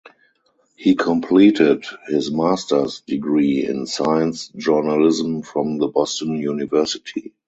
He completed his master’s degree in science journalism from the Boston University.